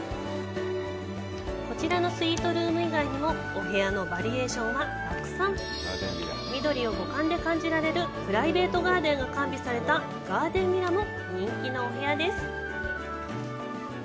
こちらのスイートルーム以外にもお部屋のバリエーションはたくさん緑を五感で感じられるプライベートガーデンが完備されたガーデンヴィラも人気のお部屋です